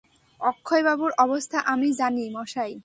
অক্ষয়বাবুর অবস্থা আমি জানি মশায়!